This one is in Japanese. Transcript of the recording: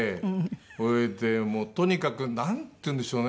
それでもうとにかくなんて言うんでしょうね？